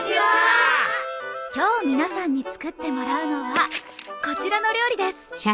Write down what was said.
今日皆さんに作ってもらうのはこちらの料理です。